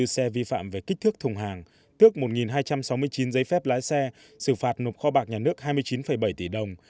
ba năm trăm bảy mươi bốn xe vi phạm về kích thước thùng hàng tước một hai trăm sáu mươi chín giấy phép lái xe sự phạt nộp kho bạc nhà nước hai mươi chín bảy tỷ đồng